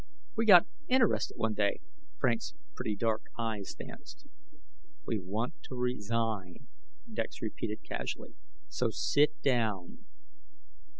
"We got interested one day." Frank's pretty, dark eyes danced. "We want to resign," Dex repeated casually, "so sit down."